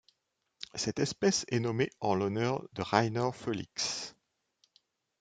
Cette espèce est nommée en l'honneur de Rainer Foelix.